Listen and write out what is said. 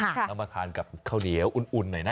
แล้วมาทานกับข้าวเหนียวอุ่นหน่อยนะ